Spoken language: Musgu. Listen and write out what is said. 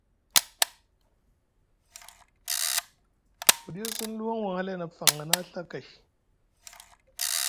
Ku ɗiya sini luwuŋ won hlay na faŋ a na Ɵa kay.